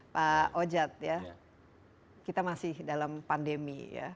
pak ojat ya kita masih dalam pandemi ya